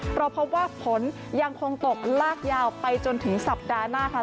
เพราะพบว่าฝนยังคงตกลากยาวไปจนถึงสัปดาห์หน้าค่ะ